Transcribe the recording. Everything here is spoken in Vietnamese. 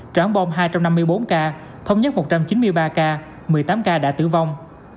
tráng bom hai trăm năm mươi bốn ca thông nhất một trăm chín mươi ba ca một mươi tám ca đã tử vong